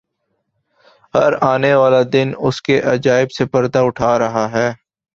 ہر آنے والا دن اس کے عجائب سے پردہ اٹھا رہا ہے۔